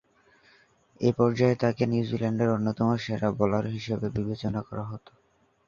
এ পর্যায়ে তাকে নিউজিল্যান্ডের অন্যতম সেরা বোলার হিসেবে বিবেচনা করা হতো।